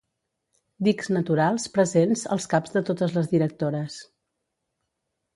Dics naturals presents als caps de totes les directores.